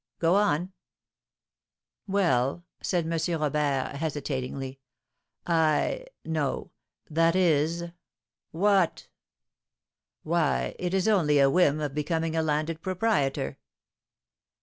"Go on." "Well," said M. Robert, hesitatingly, "I no that is " "What?" "Why, it is only a whim of becoming a landed proprietor."